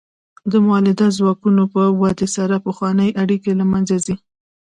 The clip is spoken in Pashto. د مؤلده ځواکونو په ودې سره پخوانۍ اړیکې له منځه ځي.